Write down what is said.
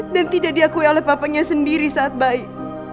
dan tidak diakui oleh papanya sendiri saat baik